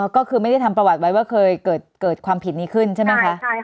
ก็คือไม่ได้ทำประวัติไว้ว่าเคยเกิดความผิดนี้ขึ้นใช่ไหมคะ